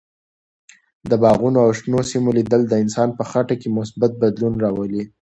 د باغونو او شنو سیمو لیدل د انسان په خټه کې مثبت بدلون راولي.